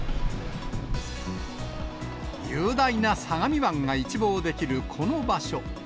雄大な相模湾が一望できるこの場所。